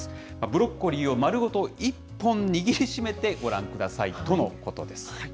ブロッコリーを丸ごと１本握りしめてご覧くださいとのことです。